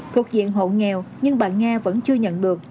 thuộc diện hộ nghèo nhưng bà nga vẫn chưa nhận được